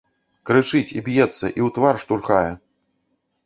Крычыць, і б'ецца, і ў твар штурхае.